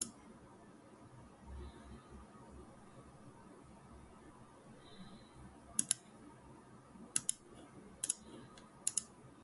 It is the world's first and premier South Asian a cappella group.